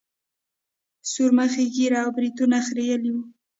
سورمخي ږيره او برېتونه خرييلي وو.